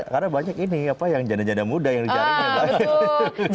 karena banyak ini apa yang janda janda muda yang di jaring ya bang